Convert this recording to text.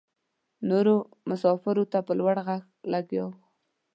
نورو مساپرو ته په لوړ غږ لګیا وه.